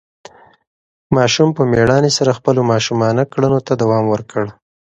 ماشوم په مېړانې سره خپلو ماشومانه کړنو ته دوام ورکړ.